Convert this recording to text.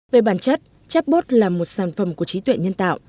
về bản chất chatbot là một sản phẩm của trí tuệ nhân tạo